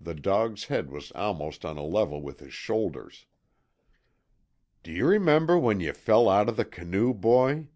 The dog's head was almost on a level with his shoulders. "D'ye remember when you fell out of the canoe, Boy?"